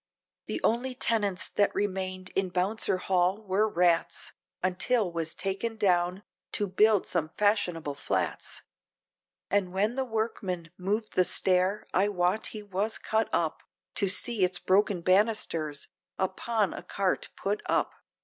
The only tenants that remained in Bouncer Hall, were rats, Until 'twas taken down, to build some fashionable flats, And when the workmen moved the stair, I wot he was cut up, To see its broken banisters, upon a cart put up.